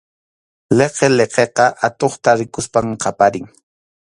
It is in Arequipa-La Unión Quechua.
Liqiliqiqa atuqta rikuspas qaparin.